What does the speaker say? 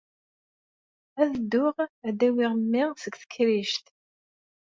Ad dduɣ ad d-awiɣ memmi seg tekrict.